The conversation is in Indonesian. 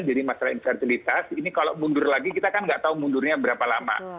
jadi masalah infertilitas ini kalau mundur lagi kita kan nggak tahu mundurnya berapa lama